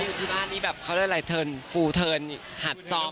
มาอยู่ที่บ้านอันนี้แบบเขาได้เรื่อยเทอร์นทราบเทอร์นหัดทรอบ